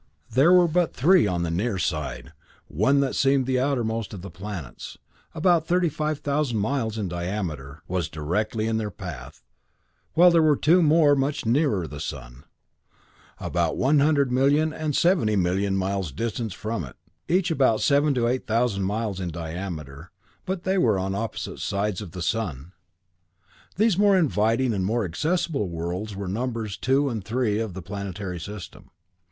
There were but three on the near side; one that seemed the outermost of the planets, about 35,000 miles in diameter, was directly in their path, while there were two more much nearer the sun, about 100,000,000 and 70,000,000 miles distant from it, each about seven to eight thousand miles in diameter, but they were on opposite sides of the sun. These more inviting and more accessible worlds were numbers two and three of the planetary system.